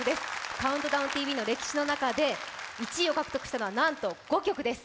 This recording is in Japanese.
「ＣＤＴＶ」の歴史の中で１位を獲得したのはなんと５曲です。